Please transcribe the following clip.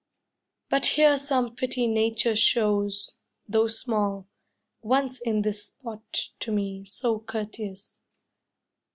But here some pity Nature shows, though small, Once in this spot to me so courteous!